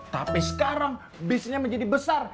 tapi sekarang bisnisnya menjadi besar